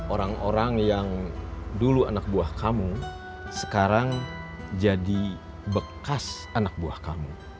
orang orang yang dulu anak buah kamu sekarang jadi bekas anak buah kamu